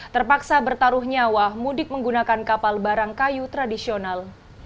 terpaksa bertaruh nyawa mudik menggunakan kapal barang kayu tradisional